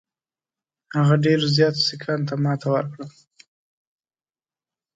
هغه ډېرو زیاتو سیکهانو ته ماته ورکړه.